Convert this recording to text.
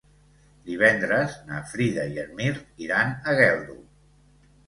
Divendres na Frida i en Mirt iran a Geldo.